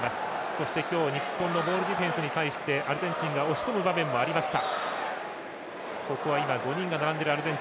そして、今日、日本のモールディフェンスに対してアルゼンチンが押し込む場面もありました。